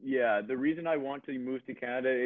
ya alasan gue mau pindah ke kanada